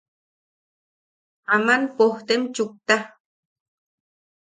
Aman pojtem chukta.